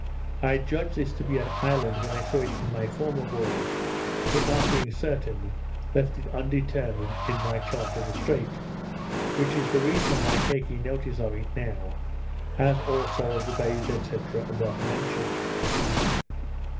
I judged this to be an island when I saw it in my former voyage, but not being certain, left it undetermined in my chart of the Strait, which is the reason of my taking notice of it now, as also of the bays, &c. above mentioned.